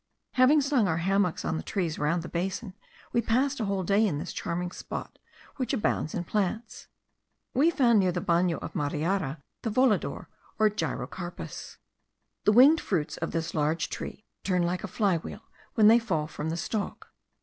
Having slung our hammocks on the trees round the basin, we passed a whole day in this charming spot, which abounds in plants. We found near the bano of Mariara the volador, or gyrocarpus. The winged fruits of this large tree turn like a fly wheel, when they fall from the stalk.